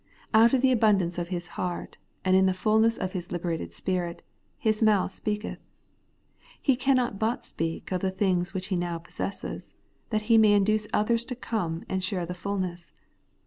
Out of the abundance of his heart, and in the fulness of his liberated spirit, his mouth speaketli. He cannot but speak of the things which he now possesses, that he may induce others to come and share the fulness.